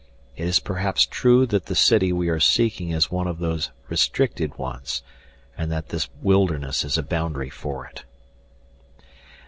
It is perhaps true that the city we are seeking is one of those restricted ones and that this wilderness is a boundary for it."